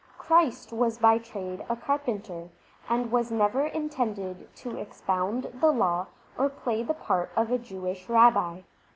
Christ was by trade a carpenter, and was never intended to expound the law, or play the part of a Jewish Rabbi.